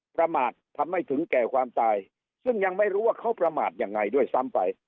ประมาททำให้ถึงแก่ความตายซึ่งยังไม่รู้ว่าเขาประมาทยังไงด้วยซ้ำไป